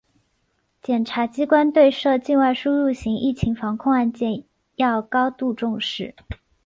检察机关对涉境外输入型疫情防控案件要高度重视